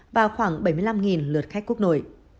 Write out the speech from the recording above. và khoảng bảy mươi năm lượt khách quốc nội